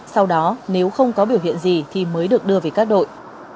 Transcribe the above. sau đó nếu không có biểu hiện gì thì mới được đưa về các đội